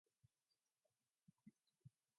Also, it is out of print.